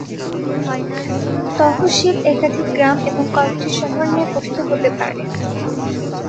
তহশিল একাধিক গ্রাম এবং কয়েকটি শহর নিয়ে গঠিত হতে পারে।